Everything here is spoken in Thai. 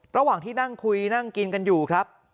ระหว่างที่นั่งคุยนั่งกินกันอยู่ครับ